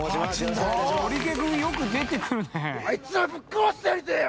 「あいつらぶっ殺してやりてえよ」